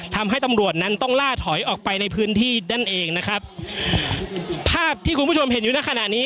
ทำให้ตำรวจนั้นต้องล่าถอยออกไปในพื้นที่นั่นเองนะครับภาพที่คุณผู้ชมเห็นอยู่ในขณะนี้